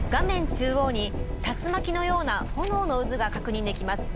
中央に竜巻のような炎の渦が確認できます。